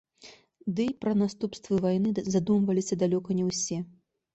Дый пра наступствы вайны задумваліся далёка не ўсё.